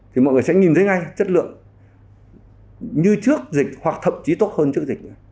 thì mọi người sẽ nhìn thấy ngay chất lượng như trước dịch hoặc thậm chí tốt hơn trước dịch